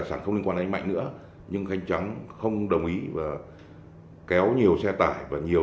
anh mạnh không chịu trả nợ